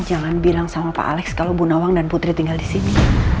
jangan bilang sama pak alex kalo bu nawang dan putri tinggal disini